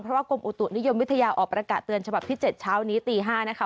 เพราะว่ากรมอุตุนิยมวิทยาออกประกาศเตือนฉบับที่๗เช้านี้ตี๕นะคะ